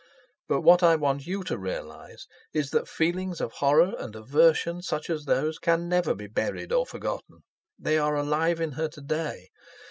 But what I want you to realise is that feelings of horror and aversion such as those can never be buried or forgotten. They are alive in her to day.